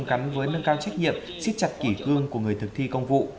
cắn với nâng cao trách nhiệm xích chặt kỷ cương của người thực thi công vụ